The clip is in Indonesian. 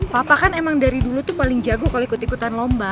papa kan emang dari dulu tuh paling jago kalau ikut ikutan lomba